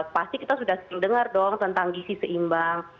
pasti kita sudah sering dengar dong tentang gizi seimbang